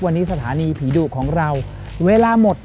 วันนี้สถานีผีดุของเราเวลาหมด